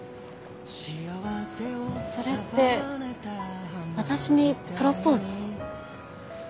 それって私にプロポーズ？